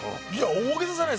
大げさじゃないです。